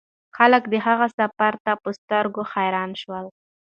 خلک د هغه سفر ته په سترګو حیران شول.